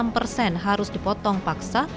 enam persen harus dipotong paksa